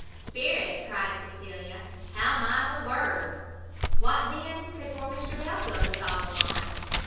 "Spirit!" cried Cecilia, "how mild a word! What, then, could poor Mr Belfield resolve upon?"